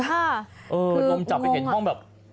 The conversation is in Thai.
ดมจับไปเห็นห้องแบบ